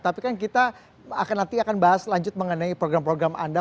tapi kan kita akan nanti akan bahas lanjut mengenai program program anda